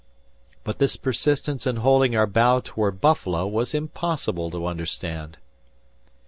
But this persistence in holding our bow toward Buffalo was impossible to understand!